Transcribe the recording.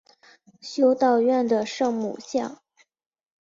修道院的圣母像。